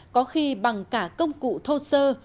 có khi bằng cả công cụ thô sơ